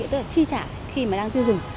tức là chi trả khi mà đang tiêu dùng